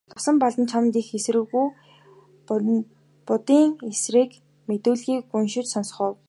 Лувсанбалдан чамд би эсэргүү Будын эцсийн мэдүүлгийг уншиж сонсгоё.